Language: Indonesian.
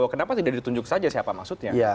kenapa tidak ditunjuk saja siapa maksudnya